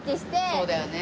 そうだよね。